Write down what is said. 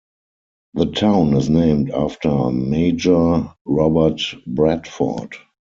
The town is named after Major Robert Bradford.